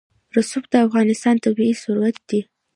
رسوب د افغانستان طبعي ثروت دی.